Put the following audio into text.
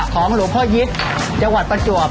ของหลวงพ่อยิตจังหวัดประจวบ